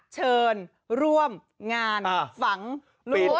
เชิญร่วมงานฝังลูก